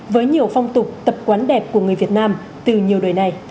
với nhiều phong tục tập quán đẹp của người việt nam từ nhiều đời này